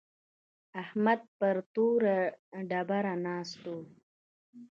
احمد پر توره ډبره ناست و.